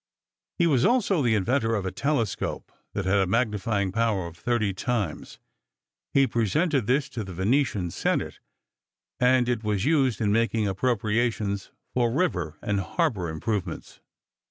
He was also the inventor of a telescope that had a magnifying power of thirty times. He presented this to the Venetian senate, and it was used in making appropriations for river and harbor improvements.